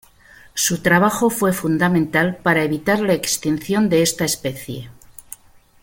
Se trabajo fue fundamental para evitar la extinción de esta especie.